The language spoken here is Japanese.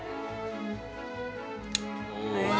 「うわ」